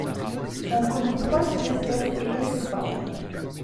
On connaît trois sous-espèces et quelques formes.